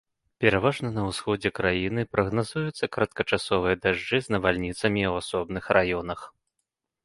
Пераважна на ўсходзе краіны прагназуюцца кароткачасовыя дажджы з навальніцамі ў асобных раёнах.